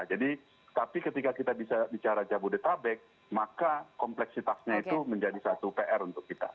jadi tapi ketika kita bisa bicara jabodetabek maka kompleksitasnya itu menjadi satu pr untuk kita